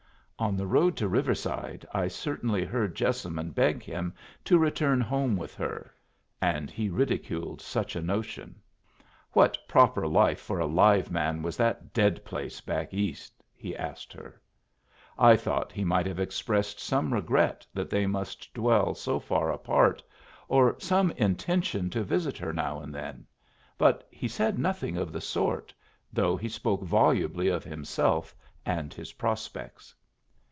On the road to Riverside I certainly heard Jessamine beg him to return home with her; and he ridiculed such a notion. What proper life for a live man was that dead place back East? he asked her. I thought he might have expressed some regret that they must dwell so far apart, or some intention to visit her now and then; but he said nothing of the sort, though he spoke volubly of himself and his prospects.